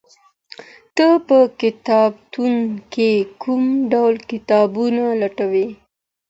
ته په کتابتون کي کوم ډول کتابونه لټوې؟